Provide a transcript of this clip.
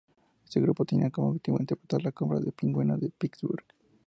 Este grupo tenía como objetivo intentar la compra de los Pingüinos de Pittsburgh.